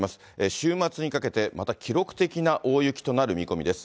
週末にかけてまた記録的な大雪となる見込みです。